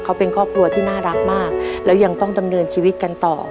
เขาเป็นครอบครัวที่น่ารักมากแล้วยังต้องดำเนินชีวิตกันต่อ